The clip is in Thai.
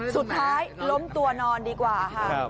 สุดท้ายล้มตัวนอนดีกว่าค่ะ